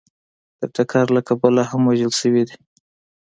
د ټکر له کبله هم وژل شوي دي